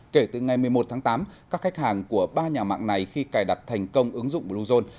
kể từ ngày một mươi một tháng tám các khách hàng của ba nhà mạng này khi cài đặt thành công ứng dụng bluezone